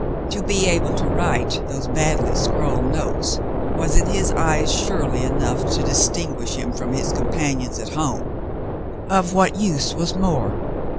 To be able to write those badly scrawled notes was in his eyes surely enough to dis tinguish him from his companions at home ; of what use was more